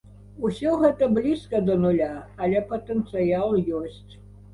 Усё гэта блізка да нуля, але патэнцыял ёсць.